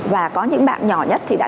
và có những bạn nhỏ nhất thì đã